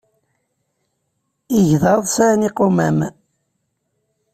Igḍaḍ sɛan iqumam.